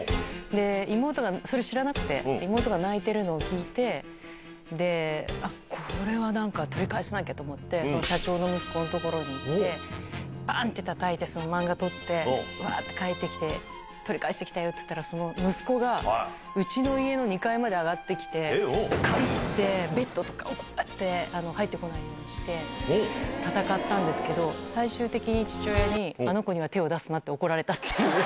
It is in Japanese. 妹が、それ知らなくて、妹が泣いてるのを聞いて、あっ、これはなんか、取り返さなきゃと思って、その社長の息子の所に行って、ぱんってたたいて、その漫画取って、わーって帰ってきて、取り返してきたよって言ったら、その息子がうちの家の２階まで上がってきて、ベッドとかをこうやって、入ってこないようにして、戦ったんですけど、最終的に父親に、あの子には手を出すなって怒られたっていう。